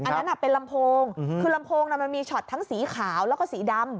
อันนั้นเป็นลำโพงคือลำโพงมันมีช็อตทั้งสีขาวแล้วก็สีดำ